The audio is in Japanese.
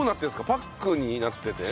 パックになってて？